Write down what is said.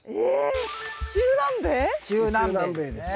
中南米ですね。